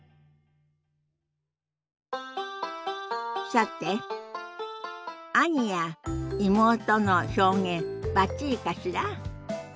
さて「兄」や「妹」の表現バッチリかしら？